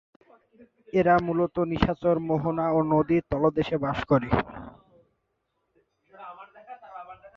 এরা মূলত নিশাচর, মোহনা ও নদীর তলদেশে বাস করে।